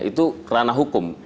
itu kerana hukum